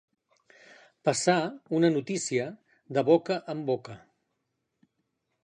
Passar, una notícia, de boca en boca.